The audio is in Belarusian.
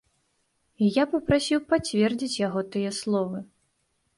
І я папрасіў пацвердзіць яго тыя словы.